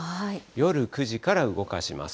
夜９時から動かします。